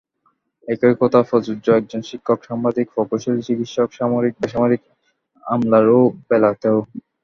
একই কথা প্রযোজ্য একজন শিক্ষক, সাংবাদিক, প্রকৌশলী, চিকিৎসক, সামরিক-বেসামরিক আমলার বেলাতেও।